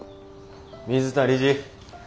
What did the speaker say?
水田理事。